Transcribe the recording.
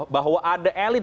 bahwa ada elit di sini